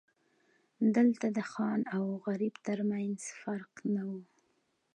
دلته د خان او غریب ترمنځ فرق نه و.